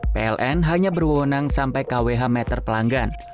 pln hanya berwenang sampai kwh meter pelanggan